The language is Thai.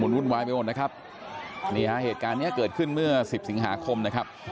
วุ่นวายไปหมดนะครับนี่ฮะเหตุการณ์เนี้ยเกิดขึ้นเมื่อสิบสิงหาคมนะครับ